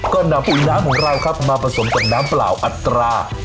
ก็นำปุ๋ยน้ำของเราครับมาผสมกับน้ำเปล่าอัตรา